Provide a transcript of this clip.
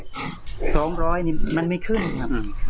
๒๐๐กิโลกรัมมันไม่ขึ้นครับ